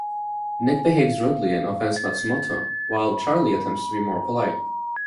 Nick behaves rudely and offends Matsumoto, while Charlie attempts to be more polite.